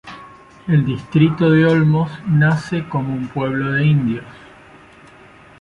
El distrito de olmos nace como un pueblo de indios.